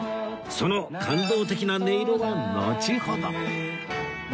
その感動的な音色はのちほど